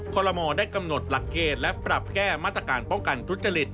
ลมอลได้กำหนดหลักเกณฑ์และปรับแก้มาตรการป้องกันทุจริต